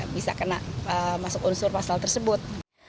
bisa kena masuk unsur pasal tersebut